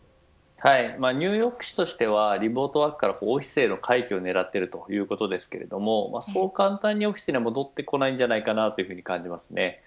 ニューヨーク市としてはリモートワークからオフィスへの回帰を狙っているということですけれどもそう簡単にオフィスには戻ってこないんじゃないかなというふうに感じますね。